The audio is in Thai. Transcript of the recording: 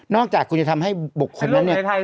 จากคุณจะทำให้บุคคลนั้นเนี่ย